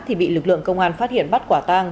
thì bị lực lượng công an phát hiện bắt quả tang